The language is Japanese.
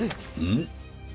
ん？